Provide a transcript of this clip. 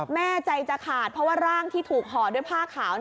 แม่ใจจะขาดเพราะว่าร่างที่ถูกห่อด้วยผ้าขาว